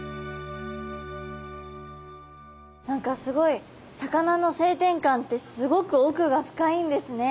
何かすごい魚の性転換ってすごくおくが深いんですね。